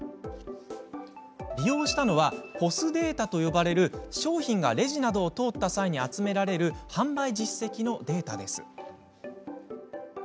利用したのはＰＯＳデータと呼ばれる商品がレジなどを通った際に集められる販売実績データです。